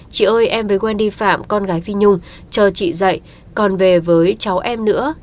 chị ơi em với wendy phạm con gái phi nhung chờ chị dậy còn về với cháu em nữa